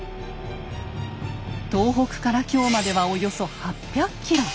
東北から京までおよそ８００ｋｍ！